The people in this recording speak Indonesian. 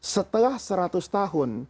setelah seratus tahun